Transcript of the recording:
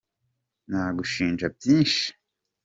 Nagushinja byinshi